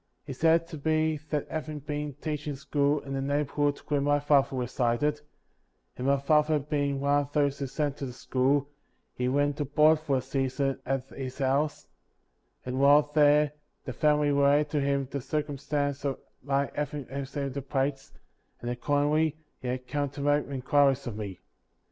He stated to me that having been teaching school in the neighborhood where my father resided, and my father being one of those who sent to the school, he went to board for a season at his house, and while there the family related to him the circumstance of my having received the plates, and accordingly he had come to make inquiries of me.